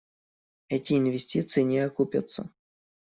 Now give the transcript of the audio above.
Эти инвестиции не окупятся.